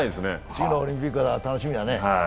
次のオリンピックが楽しみだね。